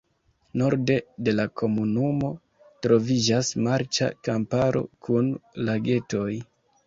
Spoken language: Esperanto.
Norde de la komunumo troviĝas marĉa kamparo kun lagetoj.